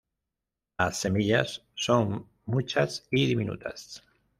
Las semillas son muchas y diminutas.